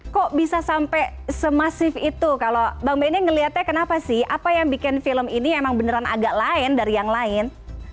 kok bisa sampai semasif itu kalau bang benny ngeliatnya kenapa sih apa yang bikin film ini emang beneran agak lain dari yang lain